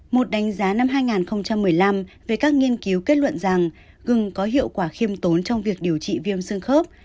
một đánh giá năm hai nghìn một mươi năm về các nghiên cứu kết luận rằng gừng có hiệu quả khiêm tốn trong việc điều trị viêm xương khớp